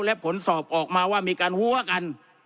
และผลสอบออกมาว่ามีการหัวกัน